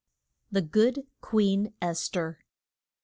THE GOOD QUEEN ESTHER.